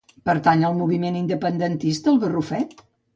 Pertany al moviment independentista el Barrufet?